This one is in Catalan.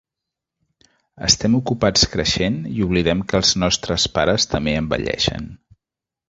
Estem ocupats creixent i oblidem que els nostres pares també envelleixen.